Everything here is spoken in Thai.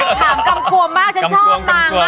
ถามกำกวมมากฉันชอบนางมาก